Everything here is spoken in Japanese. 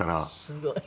すごい。